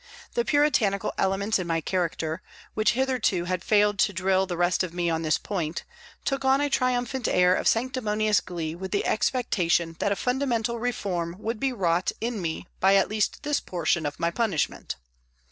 The puritanical elements in my character, which hitherto had failed to drill the rest of me on this point, took on a triumphant air of sanctimonious glee with the expectation that a fundamental reform would be wrought in me by at least this portion of my punishment.